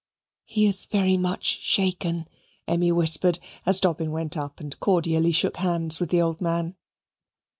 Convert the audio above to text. "He is very much shaken," Emmy whispered as Dobbin went up and cordially shook hands with the old man.